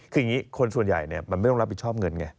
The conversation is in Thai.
คืออย่างนี้คนส่วนใหญ่มันไม่ต้องรับผิดชอบเงินไง